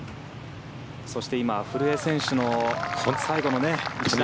そして今古江選手の最後の一打。